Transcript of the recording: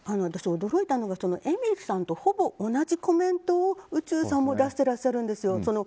私、驚いたのがえみりさんとほぼ同じコメントを宇宙さんも出していらっしゃるんですよ。